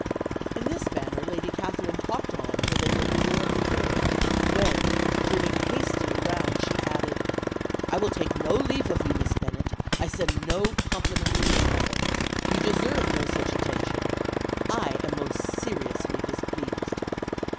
"In this manner Lady Catherine talked on till they were at the door of the carriage, when, turning hastily round, she added "'I take no leave of you, Miss Bennet. I send no compliments to your mother. You deserve no such attention. I am most seriously displeased.'